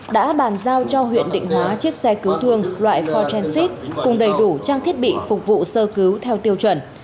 đã bàn giao cho huyện định hóa chiếc xe cứu thương loại phochensit cùng đầy đủ trang thiết bị phục vụ sơ cứu theo tiêu chuẩn